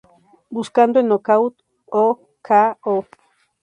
Buscando el "knock out" o k.o.